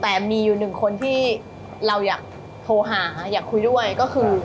แต่มีอยู่หนึ่งคนที่เราอยากโทรหาอยากคุยด้วยก็คือ